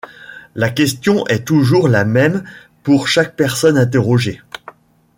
La question est toujours la même pour chaque personne interrogée.